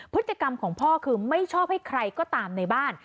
พฤติกรรมของพ่อคือไม่ชอบให้ใครก็ตามในบ้าน